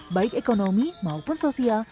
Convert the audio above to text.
baik ekonomi maupun sosial